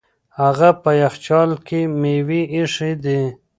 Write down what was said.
هغه په یخچال کې مېوې ایښې دي.